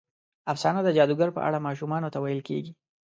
افسانه د جادوګرو په اړه ماشومانو ته ویل کېږي.